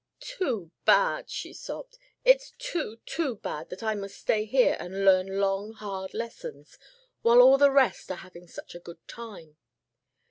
"Too bad!" she sobbed, "it's too, too bad that I must stay here and learn long hard lessons while all the rest are having such a good time!"